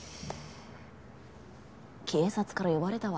警察から呼ばれたわ。